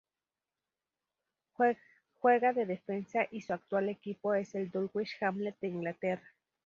Juega de defensa y su actual equipo es el Dulwich Hamlet de Inglaterra.